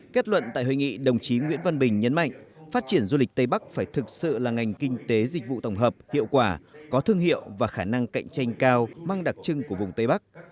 kết luận tại hội nghị đồng chí nguyễn văn bình nhấn mạnh phát triển du lịch tây bắc phải thực sự là ngành kinh tế dịch vụ tổng hợp hiệu quả có thương hiệu và khả năng cạnh tranh cao mang đặc trưng của vùng tây bắc